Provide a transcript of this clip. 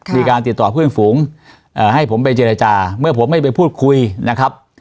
มีการติดต่อเพื่อนฝูงให้ผมไปเจรจาเมื่อผมไม่ไปพูดคุยนะครับ